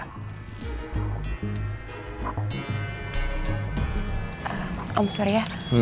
ehm om surya